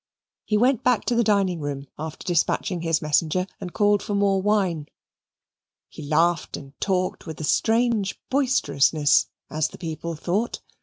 He went back to the dining room after dispatching his messenger and called for more wine. He laughed and talked with a strange boisterousness, as the people thought.